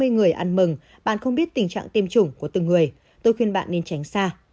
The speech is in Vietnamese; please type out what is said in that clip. hai mươi người ăn mừng bạn không biết tình trạng tiêm chủng của từng người tôi khuyên bạn nên tránh xa